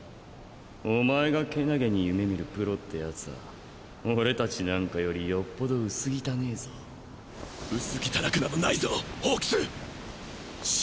おまえが健気に夢見るプロってやつあ俺達なんかよりよっぽど薄汚えぞ薄汚くなどないぞホークス！